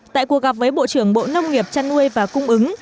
tại cuộc gặp với bộ trưởng bộ nông nghiệp chăn nuôi và cung ứng